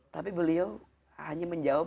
tapi beliau hanya menjawab